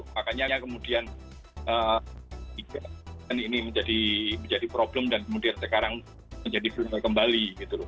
makanya kemudian ini menjadi problem dan kemudian sekarang menjadi viral kembali